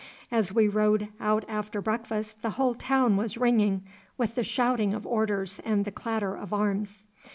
As we rode out after breakfast the whole town was ringing with the shouting of orders and the clatter of arms.